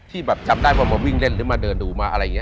แบบจำได้ว่ามาวิ่งเล่นหรือมาเดินดูมาอะไรอย่างนี้